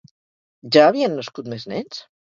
Ja havien nascut més nens?